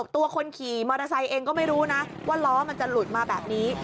ตัวคนขี่มอเตอร์ไซค์เองก็ไม่รู้นะว่าล้อมันจะหลุดมาแบบนี้